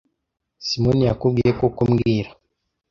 Simoni yakubwiye koko mbwira